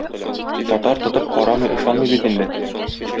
Татар тотып карамый ышанмый бит инде.